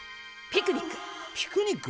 ピクニック？